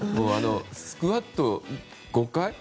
スクワット５回？